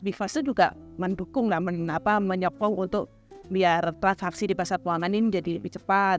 bifas itu juga mendukung dan menyokong untuk biar transaksi di pasar peluangan ini jadi lebih cepat